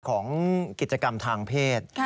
ของกิจกรรมทางเพศ